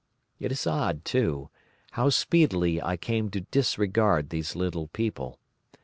It is odd, too, how speedily I came to disregard these little people.